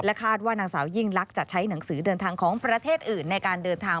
คาดว่านางสาวยิ่งลักษณ์จะใช้หนังสือเดินทางของประเทศอื่นในการเดินทาง